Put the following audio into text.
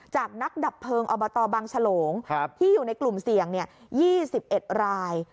จากนักดับเพลิงอบตบังฉลงที่อยู่ในกลุ่มเสี่ยง๒๑ราย